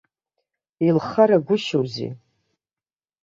Илхарагәышьоузеи?